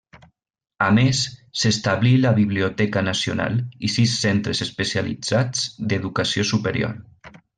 A més, s'establí la Biblioteca Nacional i sis centres especialitzats d'educació superior.